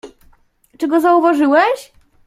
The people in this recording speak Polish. "Czy go zauważyłeś?"